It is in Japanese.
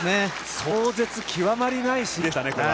壮絶極まりない試合でしたね、これは。